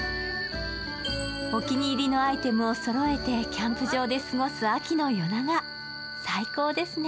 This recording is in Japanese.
お気に入りのアイテムをそろえてキャンプ場ですごく秋の夜長、最高ですね。